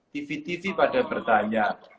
tv tv pada bertanya